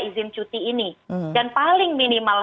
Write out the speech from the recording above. izin cuti ini dan paling minimal